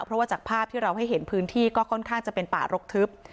เพราะว่าจากภาพที่เราให้เห็นพื้นที่ก็ค่อนข้างจะเป็นป่ารกทึบ